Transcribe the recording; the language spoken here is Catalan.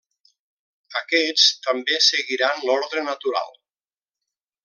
Aquests també seguiran l'ordre natural.